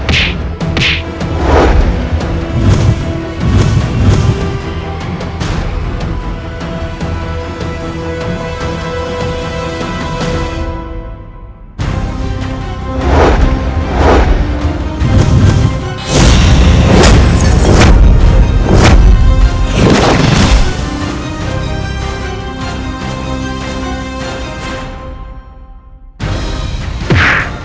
kau belum kalah